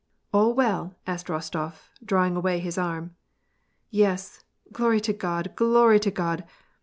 " AH well ?" asked Rostof, drawing away his arm. " Yes ! glory to God, glory to God